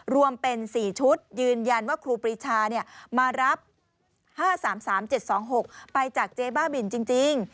รวมเป็น๔ชุดยืนยันว่าครูปรีชามารับ๕๓๓๗๒๖ไปจากเจ๊บ้าบินจริง